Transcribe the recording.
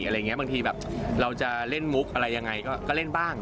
บางทีแบบเราจะเล่นมุกอะไรยังไงก็เล่นบ้าง